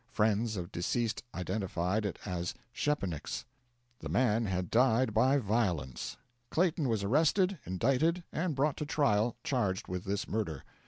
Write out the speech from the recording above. Friends of deceased identified it as Szczepanik's. The man had died by violence. Clayton was arrested, indicted, and brought to trial, charged with this murder.